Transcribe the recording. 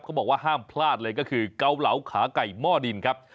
บอกว่าห้ามพลาดเลยก็คือเกาเหลาขาไก่หม้อดินครับ